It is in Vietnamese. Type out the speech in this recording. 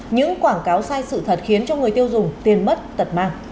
những quảng cáo sai sự thật khiến cho người tiêu dùng tiền mất tật mang